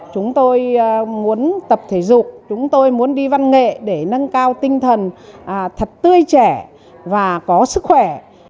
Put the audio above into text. chúng tôi muốn tập thể dục chúng tôi muốn đi văn nghệ để nâng cao tinh thần thật tươi trẻ và có sức khỏe